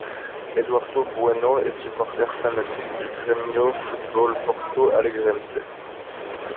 Eduardo Bueno est supporter fanatique du Grêmio Foot-Ball Porto Alegrense.